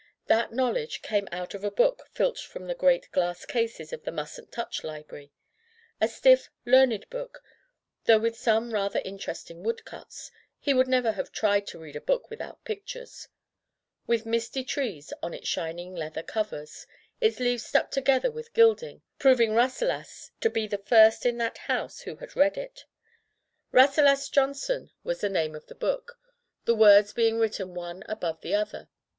That knowledge came out of a book filched from the great glass cases of the "mustn't touch" library; a stiff, learned book, though with some rather interesting wood cuts — he would never have tried to read a book without pictures — ^with misty trees on its shining leather covers, its leaves stuck together with gilding, proving Rasselas to be the first in that house who had read it. "Rasselas Johnson" was the name [i66 ] Digitized by LjOOQ IC Rasselas in the Vegetable Kingdom of the book, the words being written one above the other.